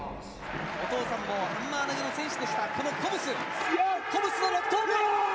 お父さんもハンマー投の選手でしたこのコブスコブスの６投目イヤー！